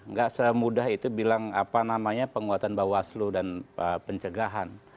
nggak semudah itu bilang apa namanya penguatan bawaslu dan pencegahan